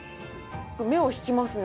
目を引きますね。